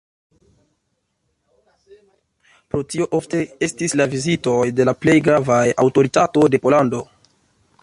Pro tio ofte estis la vizitoj de la plej gravaj aŭtoritatoj de Pollando.